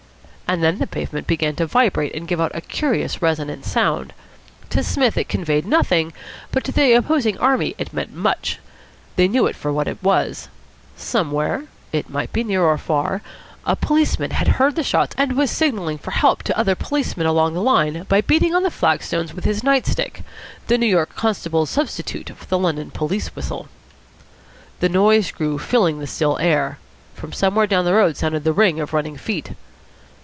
And then the pavement began to vibrate and give out a curious resonant sound. To Psmith it conveyed nothing, but to the opposing army it meant much. They knew it for what it was. Somewhere it might be near or far a policeman had heard the shots, and was signalling for help to other policemen along the line by beating on the flag stones with his night stick, the New York constable's substitute for the London police whistle. The noise grew, filling the still air. From somewhere down the road sounded the ring of running feet.